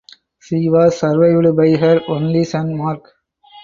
She was survived by her only son Mark.